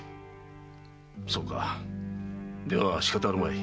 そうかではしかたあるまい。